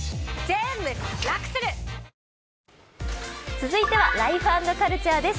続いては「ライフ＆カルチャー」です。